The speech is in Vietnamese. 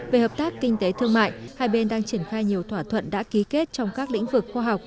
về hợp tác kinh tế thương mại hai bên đang triển khai nhiều thỏa thuận đã ký kết trong các lĩnh vực khoa học